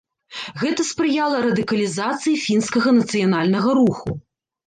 Гэта спрыяла радыкалізацыі фінскага нацыянальнага руху.